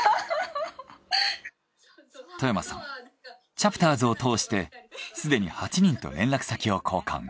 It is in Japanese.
チャプターズを通してすでに８人と連絡先を交換。